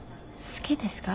好きですか？